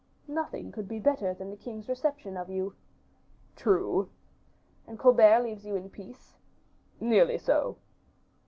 "Nothing could be better than the king's reception of you." "True." "And Colbert leaves you in peace." "Nearly so."